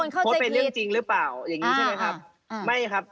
วันนี้ผมพูดเป็นเรื่องจริงหรือเปล่าอย่างนี้ใช่ไหมครับ